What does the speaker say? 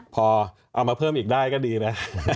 พอเอามาเพิ่มอีกได้ก็ดีนะ